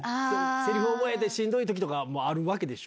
せりふ覚えてしんどいときとかもあるわけでしょ。